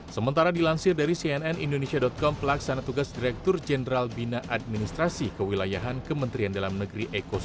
sementara dilansir dari cnnindonesia com pelaksana tugas direktur jenderal bina administrasi kewilayahan kementerian dalam negeri eko subowo